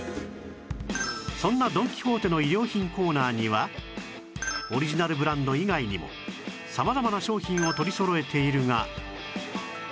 そんなドン・キホーテの衣料品コーナーにはオリジナルブランド以外にも様々な商品を取り揃えているが